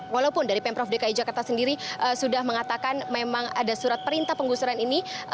walaupun dari pemprov dki jakarta sendiri sudah mengatakan memang ada surat perintah penggusuran ini